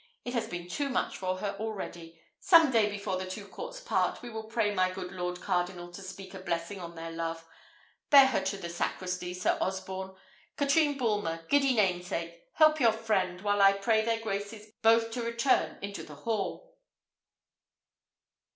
It has been too much for her already. Some day before the two courts part we will pray my good lord cardinal to speak a blessing on their love. Bear her into the sacristy, Sir Osborne. Katrine Bulmer, giddy namesake! help your friend, while I pray their graces both to return into the hall."